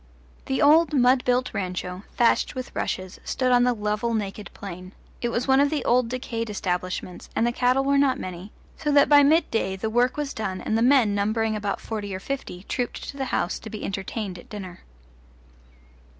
The old mud built rancho, thatched with rushes, stood on the level naked plain; it was one of the old decayed establishments, and the cattle were not many, so that by midday the work was done and the men, numbering about forty or fifty, trooped to the house to be entertained at dinner.